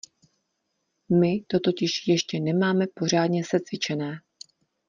My to totiž ještě nemáme pořádně secvičené.